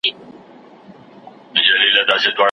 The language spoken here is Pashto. او که ریشتیا درته ووایم